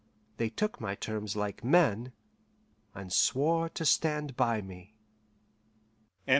They took my terms like men, and swore to stand by me. XXII.